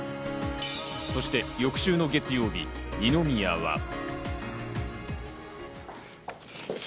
そして翌週の月曜日、二宮は。